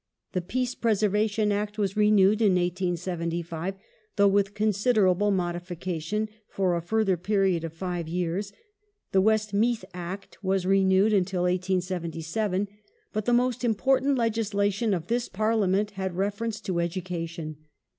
The Peace Preservation Act was renewed in 1875, though with considerable modification, for a further period of five years ; the Westmeath Act was renewed until 1877 ; but the most important legislation of this Parliament had reference to education.